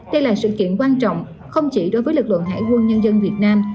đây là sự kiện quan trọng không chỉ đối với lực lượng hải quân nhân dân việt nam